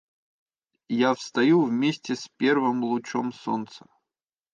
– Я встаю вместе с первым лучом солнца.